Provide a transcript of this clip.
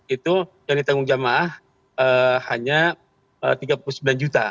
itu yang ditanggung jemaah hanya tiga puluh sembilan juta